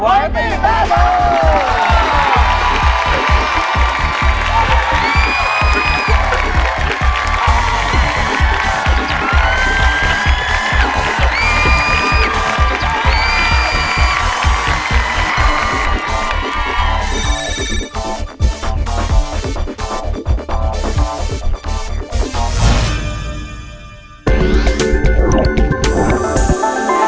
สวัสดีครับ